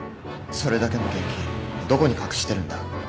それだけの現金どこに隠してるんだ？